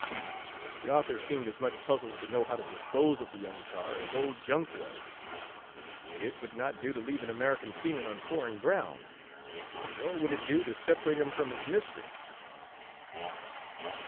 The author seemed as much puzzled to know how to dispose of the young tar, as old Junk was. It would not do to leave an American seaman on fo reign ground, nor would it do to separate him from his mistress.